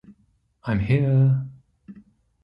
I’m here!